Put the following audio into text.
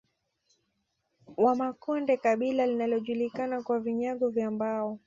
Wamakonde kabila linalojulikana kwa vinyago vya mbao